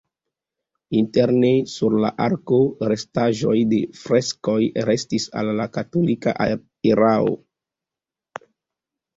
Interne sur la arko restaĵoj de freskoj restis el la katolika erao.